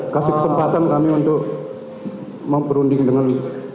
kasih kesempatan kami untuk memperunding dengan